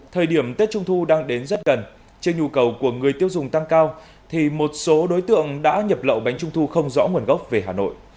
thời điểm tết trung thu đang đến rất gần trên nhu cầu của người tiêu dùng tăng cao thì một số đối tượng đã nhập lậu bánh trung thu không rõ nguồn gốc về hà nội